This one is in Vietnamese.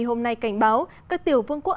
hôm nay cảnh báo các tiểu vương quốc